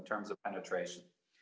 dalam hal penetrasi